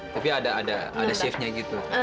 tapi ada shiftnya gitu